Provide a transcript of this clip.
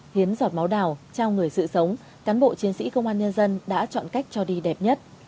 hiến giọt máu đào trao người sự sống cán bộ chiến sĩ công an nhân dân đã chọn cách cho đi đẹp nhất